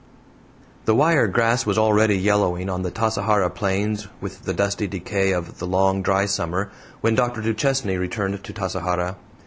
The wire grass was already yellowing on the Tasajara plains with the dusty decay of the long, dry summer when Dr. Duchesne returned to Tasajara.